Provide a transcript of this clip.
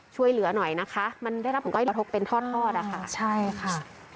ช่วยเหลือหน่อยนะคะมันได้รับผลกระทบเป็นทอดทอดอะค่ะใช่ค่ะ